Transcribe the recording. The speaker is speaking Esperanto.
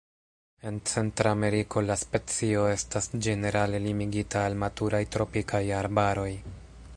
En Centrameriko, la specio estas ĝenerale limigita al maturaj tropikaj arbaroj.